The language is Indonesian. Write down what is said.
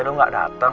lo gak dateng